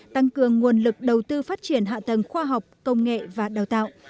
tăng cường nguồn lực đầu tư phát triển hạ tầng khoa học công nghệ và đào tạo